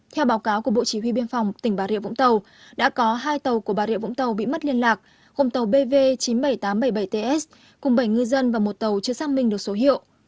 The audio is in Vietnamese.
theo báo cáo của bộ chỉ huy biên phòng tỉnh bà rịa vũng tàu đã có hai tàu của bà rịa vũng tàu bị mất liên lạc gồm tàu bv chín mươi bảy nghìn tám trăm bảy mươi bảy ts cùng bảy ngư dân và một tàu chưa xác minh được số hiệu